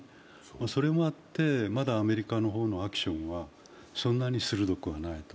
それもあって、まだアメリカの方のアクションはそんなに鋭くはない。